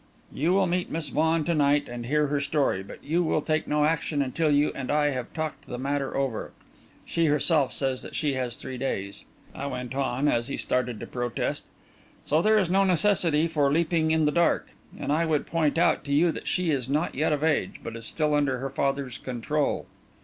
"You will meet Miss Vaughan to night and hear her story, but you will take no action until you and I have talked the matter over. She, herself, says that she has three days," I went on, as he started to protest, "so there is no necessity for leaping in the dark. And I would point out to you that she is not yet of age, but is still under her father's control."